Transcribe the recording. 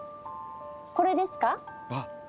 これですか？